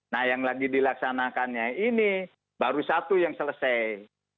nah yang lagi dilaksanakannya ini baru satu yang selesai